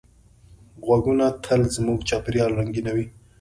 غږونه تل زموږ چاپېریال رنګینوي.